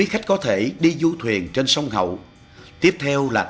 hẹn gặp lại các bạn trong những video tiếp theo